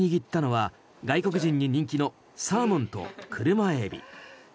この日、握ったのは外国人に人気のサーモンとクルマエビ。